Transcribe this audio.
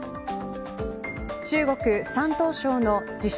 中国山東省の自称